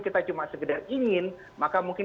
kita cuma sekedar ingin maka mungkin